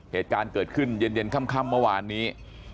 เหตุการณ์เกิดขึ้นเย็นค่ำเมื่อวานนี้